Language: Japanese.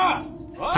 おい！